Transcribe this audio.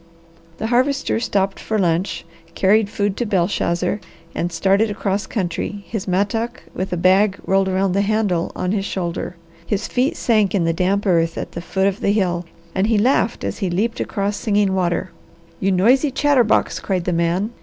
The Harvester stopped for lunch, carried food to Belshazzar, and started straight across country, his mattock, with a bag rolled around the handle, on his shoulder. His feet sank in the damp earth at the foot of the hill, and he laughed as he leaped across Singing Water. "You noisy chatterbox!" cried the man.